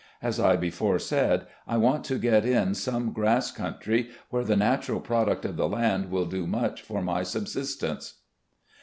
As I before said, I want to get in some grass country where the natural product of the land will do much for my sub sistence.